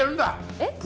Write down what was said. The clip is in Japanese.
えっ？